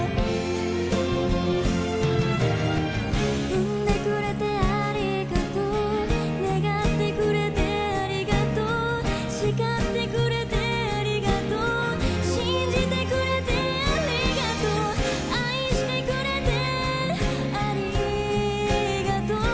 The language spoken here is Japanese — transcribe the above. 生んでくれてありがとう願ってくれてありがとう叱ってくれてありがとう信じてくれてありがとう愛してくれてありがとう